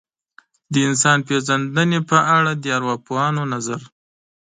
د انسان پېژندنې په اړه د ارواپوهانو نظر.